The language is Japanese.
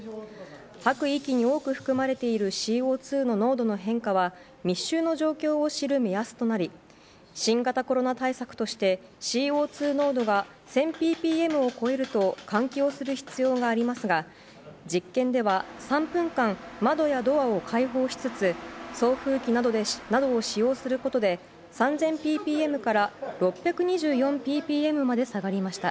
吐く息に多く含まれているＣＯ２の濃度の変化は密集の状況を知る目安となり新型コロナ対策としてＣＯ２濃度が１０００ｐｐｍを超えると換気をする必要がありますが実験では、３分間窓やドアを開放しつつ送風機などを使用することで３０００ｐｐｍから６２４ｐｐｍまで下がりました。